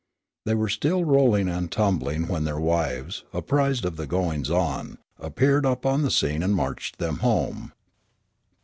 They were still rolling and tumbling when their wives, apprised of the goings on, appeared upon the scene and marched them home.